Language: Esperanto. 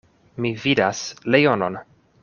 Mi vidas leonon.